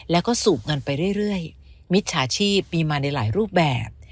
แล้วก็สูบเงินไปเรื่อยมิจฉาชีพมีมาในหลายรูปแบบ